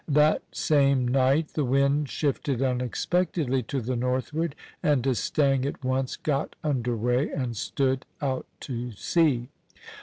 That same night the wind shifted unexpectedly to the northward, and D'Estaing at once got under way and stood out to sea.